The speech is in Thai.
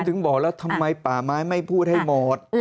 ถึงบอกแล้วทำไมป่าไม้ไม่พูดให้หมด